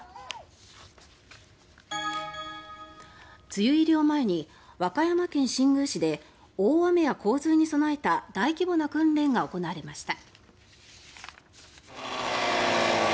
梅雨入りを前に和歌山県新宮市で大雨や洪水に備えた大規模な訓練が行われました。